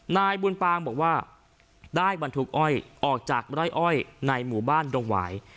นายบุญปางบอกว่าได้บรรทุกอ้อยออกจากไร่อ้อยในหมู่บ้านดงหวาย